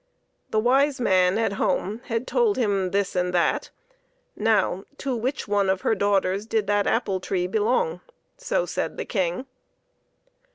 The wise man at home had told him this and that ; now to which one of her daugh ters did the apple tree belong? so said the King.